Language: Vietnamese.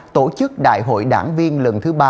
tổ chức đại hội đảng viên lần thứ ba